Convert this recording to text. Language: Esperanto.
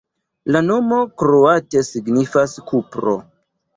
La nomo kroate signifas: kupro.